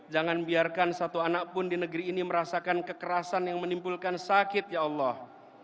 jangan biarkan satu anak pun di negeri ini merasakan kekerasan yang menimbulkan sakit ya allah